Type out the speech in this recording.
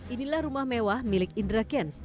inilah rumah mewah milik indra kents